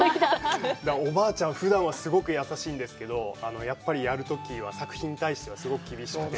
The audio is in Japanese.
おばあちゃん、ふだんはすごく優しいんですけど、やっぱりやるときは、作品に対してはすごく厳しくて。